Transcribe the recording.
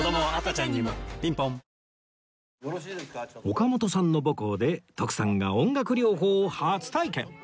岡本さんの母校で徳さんが音楽療法を初体験